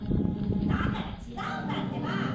だからちがうんだってば！